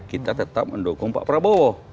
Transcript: kita tetap mendukung pak prabowo